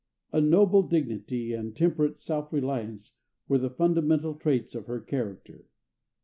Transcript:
A noble dignity and a temperate self reliance were the fundamental traits of her character.